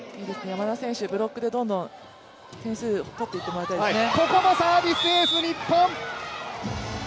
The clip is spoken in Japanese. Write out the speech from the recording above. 山田選手、ブロックでどんどん点数取っていってもらいたいですね。